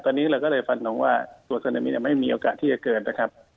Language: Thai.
ตอนนี้เราก็เลยฟันน้องว่าตัวซึนามิไม่มีโอกาสที่จะเกินนะครับ